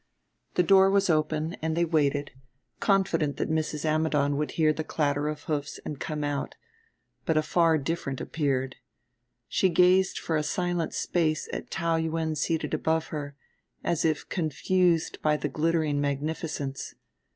The door was open, and they waited, confident that Mrs. Ammidon would hear the clatter of hoofs and come out; but a far different appeared. She gazed for a silent space at Taou Yuen seated above her, as if confused by the glittering magnificence.